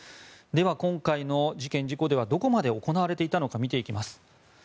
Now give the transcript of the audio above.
では、今回の事件・事故ではどこまで行われていたのか見ていきます。